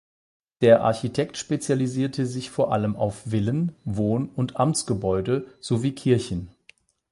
Der Architekt spezialisierte sich vor allem auf Villen, Wohn- und Amtsgebäude sowie Kirchen.